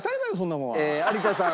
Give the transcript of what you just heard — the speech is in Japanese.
有田さん